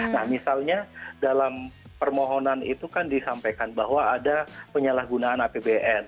nah misalnya dalam permohonan itu kan disampaikan bahwa ada penyalahgunaan apbn